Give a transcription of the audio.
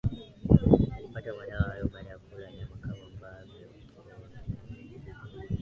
alipata madawa hayo baada ya kula nyama kama ambavyo yeye mwenyewe ana